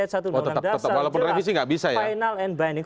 satu undang undang dasar final and binding